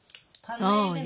そうよ。